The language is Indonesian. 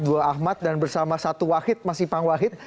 dua ahmad dan bersama satu wahid mas ipang wahid